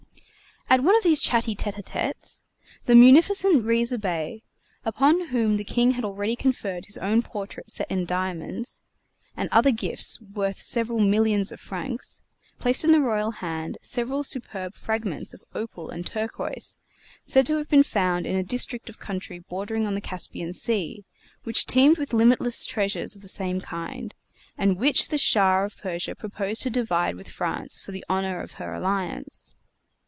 At one of these chatty tête á têtes, the munificent Riza Bey, upon whom the King had already conferred his own portrait set in diamonds, and other gifts worth several millions of francs, placed in the Royal hand several superb fragments of opal and turquoise said to have been found in a district of country bordering on the Caspian sea, which teemed with limitless treasures of the same kind, and which the Shah of Persia proposed to divide with France for the honor of her alliance.